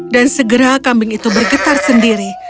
dan segera kambing itu bergetar sendiri